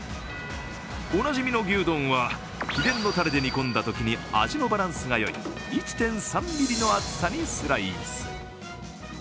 おなじみの牛丼は秘伝のたれで煮込んだときに味のバランスがよい１．３ミリの厚さにスライス。